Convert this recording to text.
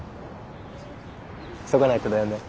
急がないとだよね。